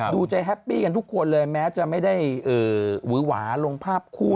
ดูใจแฮปปี้กันทุกคนเลยแม้จะไม่ได้หวือหวาลงภาพคู่